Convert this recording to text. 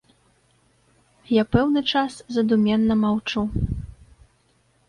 Я пэўны час задуменна маўчу.